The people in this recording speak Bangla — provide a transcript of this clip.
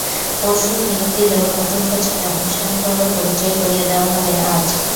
পরশু নিয়োগ দিলেও নতুন কোচকে আনুষ্ঠানিকভাবে পরিচয় করিয়ে দেওয়া হবে আজ।